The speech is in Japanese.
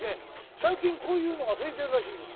最近こういうのが増えているらしいです。